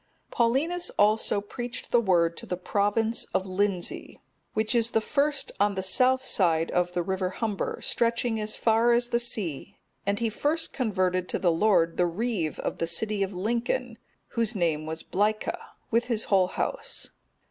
] Paulinus also preached the Word to the province of Lindsey,(251) which is the first on the south side of the river Humber, stretching as far as the sea; and he first converted to the Lord the reeve of the city of Lincoln, whose name was Blaecca, with his whole house.